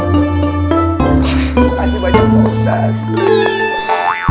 masih banyak pak ustadz